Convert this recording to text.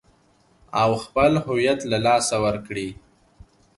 او خپل هويت له لاسه ور کړي .